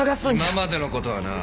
今までのことはな。